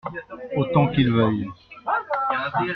Autant qu’il veuille.